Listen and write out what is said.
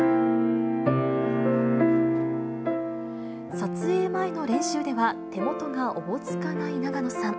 撮影前の練習では、手元がおぼつかない永野さん。